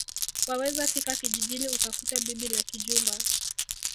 Waweza fika kijijini ukakuta bibi na kijumba